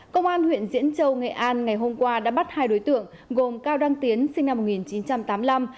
công an huyện diễn châu nghệ an ngày hôm qua đã bắt hai đối tượng gồm cao đăng tiến sinh năm một nghìn chín trăm tám mươi năm